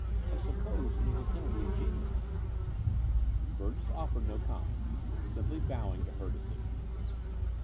"I suppose it is the penalty of genius." Burgess offered no comment, simply bowing to her decision.